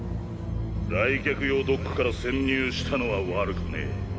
来客用ドックから潜入したのは悪くねえ。